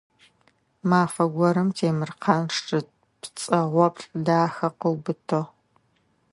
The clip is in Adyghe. Мафэ горэм Темиркъан шы пцӀэгъоплъ дахэ къыубытыгъ.